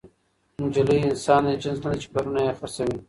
نجلۍ انسان دی، جنس ندی، چي پلرونه ئې خرڅوي